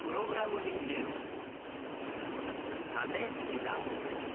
「たてひざ」。